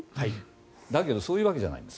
だけどそういうわけじゃないんです。